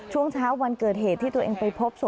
ช่วงเช้าวันเกิดเหตุที่ตัวเองไปพบศพ